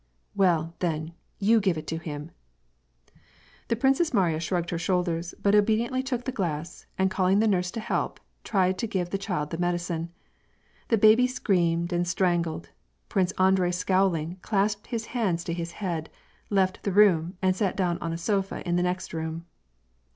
" Well, then, you give it to him !" The Princess Mariya shrugged her shoulders, but obediently took the glass, and calling the nurse to help, tried to give the child the medicine. Tlie baby screamed and strangled. Prince Andrei scowling, clasped his hands to his head, left the room and sat down on a sofa in the next room.